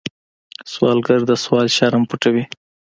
سوالګر د سوال شرم پټوي